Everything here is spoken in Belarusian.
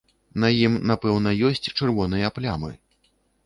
На ім напэўна ёсць чырвоныя плямы.